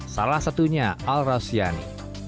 salah satunya al rasyani